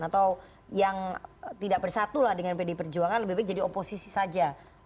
atau yang tidak bersatu lah dengan pdi perjuangan lebih baik jadi oposisi saja